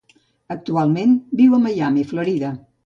Actualment viu en Miami, Florida.